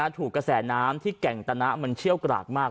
ถูกกระแสน้ำที่แก่งตนะมันเชี่ยวกรากมาก